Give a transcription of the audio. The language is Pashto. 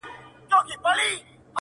په لومړي پړاؤ کي بند پاته کیږي